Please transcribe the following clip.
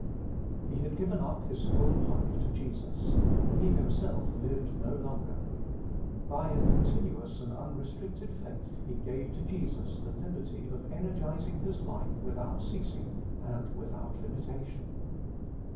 He had given up his whole life to Jesus : he himself lived no longer. By a continuous and unrestricted faith he gave to Jesus the liberty of energising his life without ceasing and without limitation.